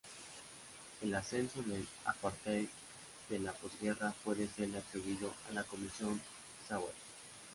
El ascenso del Apartheid de la posguerra puede serle atribuido a la Comisión Sauer.